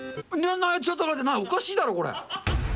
ちょっと待って、おかしいだろ、これ。